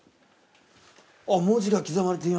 あっ文字が刻まれています。